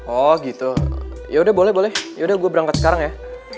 oh gitu yaudah boleh boleh yaudah gue berangkat sekarang ya